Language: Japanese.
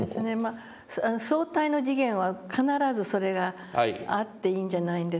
相対の次元は必ずそれがあっていいんじゃないんですかね。